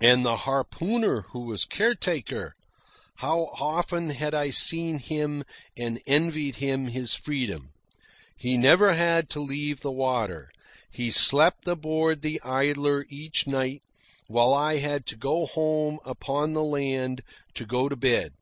And the harpooner who was caretaker! How often had I seen him and envied him his freedom. He never had to leave the water. He slept aboard the Idler each night, while I had to go home upon the land to go to bed.